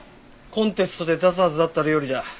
コンテストで出すはずだった料理だ。